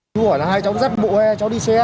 chú hỏi là hai cháu dắt bộ hay cháu đi xe